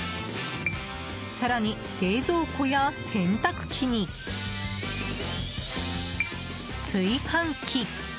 更に、冷蔵庫や洗濯機に炊飯器。